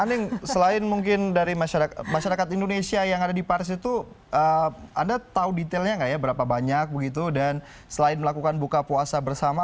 aning selain mungkin dari masyarakat indonesia yang ada di paris itu anda tahu detailnya nggak ya berapa banyak begitu dan selain melakukan buka puasa bersama